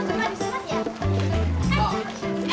gimana kalo sunatnya diukir ya